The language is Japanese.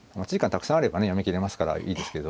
たくさんあればね読み切れますからいいですけど。